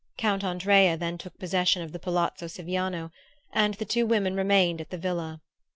Count Andrea then took possession of the palazzo Siviano, and the two women remained at the villa.